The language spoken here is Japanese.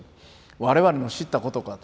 我々の知ったことかと。